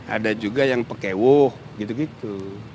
ada juga yang pekewuh gitu gitu